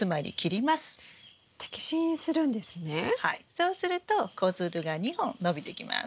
そうすると子づるが２本伸びてきます。